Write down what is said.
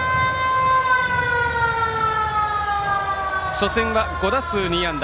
初戦は５打数２安打。